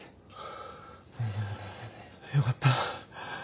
よかった。